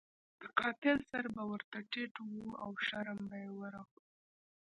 د قاتل سر به ورته ټیټ وو او شرم به یې ورغلو.